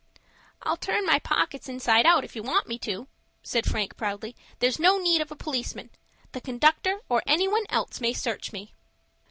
"I'll turn my pockets inside out if you want me to," said Frank, proudly. "There's no need of a policeman. The conductor, or any one else, may search me."